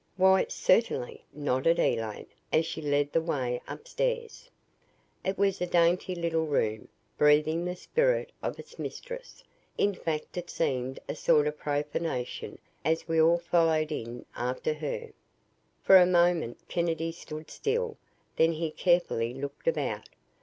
"Why, certainly," nodded Elaine, as she led the way upstairs. It was a dainty little room, breathing the spirit of its mistress. In fact it seemed a sort of profanation as we all followed in after her. For a moment Kennedy stood still, then he carefully looked about.